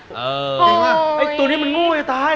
จริงหรอตัวนี้มันง่วยตาย